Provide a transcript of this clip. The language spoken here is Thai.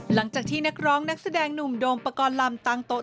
หลังจากที่นักร้องนักแสดงหนุ่มโดมปกรณ์ลำต่างโต๊